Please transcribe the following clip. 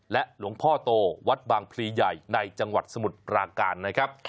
หลวงพ่อโตวัดบางพลีใหญ่ในจังหวัดสมุทรปราการนะครับ